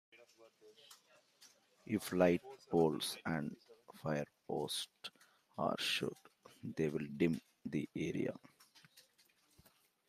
If light poles and firepots are shot, they will dim the area.